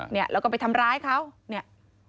เนี่ยแล้วก็ไปทำร้ายเขาเนี่ย